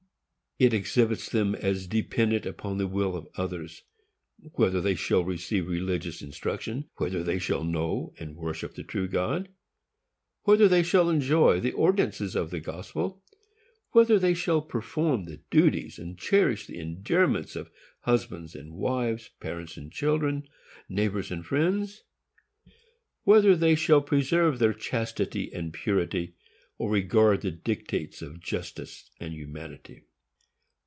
It exhibits them as dependent on the will of others, whether they shall receive religious instruction; whether they shall know and worship the true God; whether they shall enjoy the ordinances of the gospel; whether they shall perform the duties and cherish the endearments of husbands and wives, parents and children, neighbors and friends; whether they shall preserve their chastity and purity, or regard the dictates of justice and humanity.